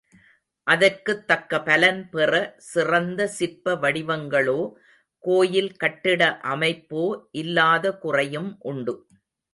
அதற்குத் தக்க பலன் பெற சிறந்த சிற்ப வடிவங்களோ, கோயில் கட்டிட அமைப்போ இல்லாத குறையும் உண்டு.